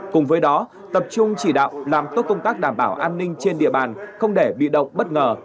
cùng với đó tập trung chỉ đạo làm tốt công tác đảm bảo an ninh trên địa bàn không để bị động bất ngờ